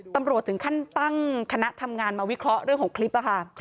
ถึงขั้นตั้งคณะทำงานมาวิเคราะห์เรื่องของคลิปค่ะ